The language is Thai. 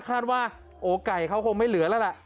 ว่าโอ้ไก่เขาคงไม่เหลือแล้วล่ะ